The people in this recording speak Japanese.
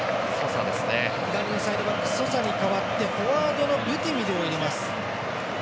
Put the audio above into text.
左サイドバックソサに代わってフォワードのブディミルを入れます。